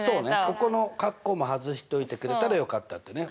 ここのカッコも外しといてくれたらよかったっていうね。